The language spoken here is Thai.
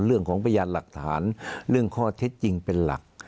เรื่องของพยานหลักฐานเรื่องข้อเท็จจริงเป็นหลัก